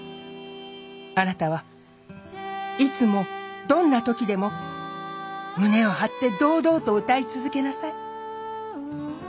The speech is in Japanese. あなたはいつもどんな時でも胸を張って堂々と歌い続けなさい。